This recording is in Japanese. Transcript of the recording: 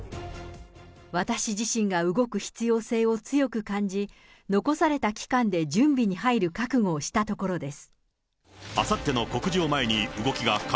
私自身が動く必要性を強く感じ、残された期間で準備に入る覚悟をしたところです。